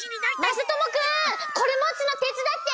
・まさともくん！これもつのてつだって！